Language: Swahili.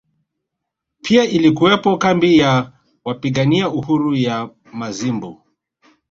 Pia ilikuwepo kambi ya wapigania uhuru ya Mazimbu